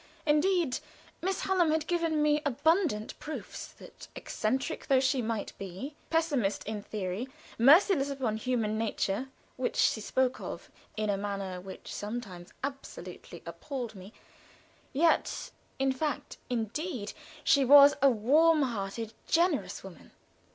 Indeed, Miss Hallam had given me abundant proofs that, eccentric though she might be, pessimist in theory, merciless upon human nature, which she spoke of in a manner which sometimes absolutely appalled me, yet in fact, in deed, she was a warm hearted, generous woman.